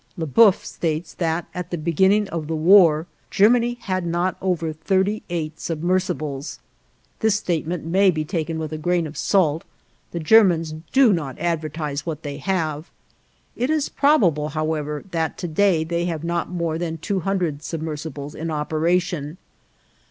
Laubeuf states that at the beginning of the war Germany had not over thirty eight submersibles. This statement may be taken with a grain of salt; the Germans do not advertise what they have. It is probable, however, that to day they have not more than two hundred submersibles in operation.